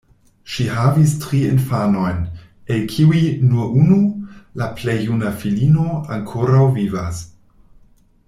Ŝi havis tri infanojn, el kiuj nur unu, la plej juna filino, ankoraŭ vivas.